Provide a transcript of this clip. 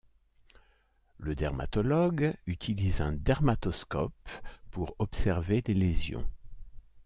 Le dermatologue utilise un dermatoscope pour observer les lésions.